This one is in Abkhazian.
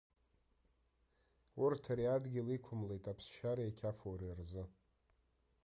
Урҭ ари адгьыл иқәымлеит аԥсшьареи ақьафуреи рзы.